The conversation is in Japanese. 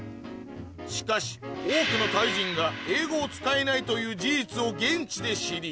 しかし多くのタイ人が英語を使えないという事実を現地で知り